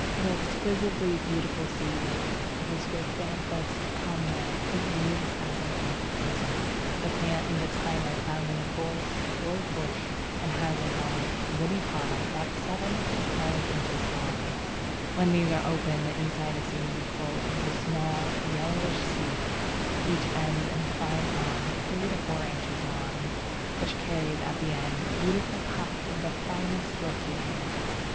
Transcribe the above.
The exquisitely beautiful seed of Strophanthus Kombe is used as an arrow poison. The plant is a climber found in forests or bush, and has large woody pods about seven to twelve inches long. When these are open, the inside is seen to be full of the small yellowish seeds; each ends in a fine awn three to four inches long, which carries at the end a beautiful tuft of the finest silky hairs.